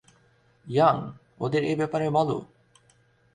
Young, ওদের এ ব্যাপারে বলো।